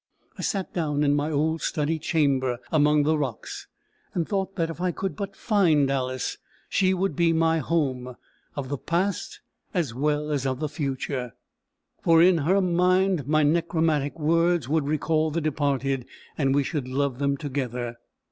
I sat down in my old study chamber among the rocks, and thought that if I could but find Alice she would be my home of the past as well as of the future; for in her mind my necromantic words would recall the departed, and we should love them together.